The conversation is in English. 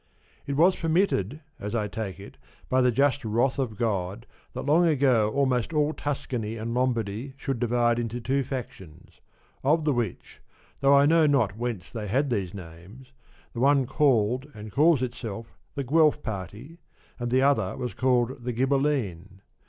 It was permitted, as I take it, by the just wrath of God that long ago almost all Tuscany and Lombardy should divide into two factions; of the which (though I know not whence they had these names) the one called and calls itself the Guelf party, and the other was called the Ghibelline.